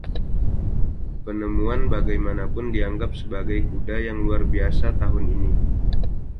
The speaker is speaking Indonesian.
Penemuan, bagaimanapun, dianggap sebagai kuda yang luar biasa tahun ini.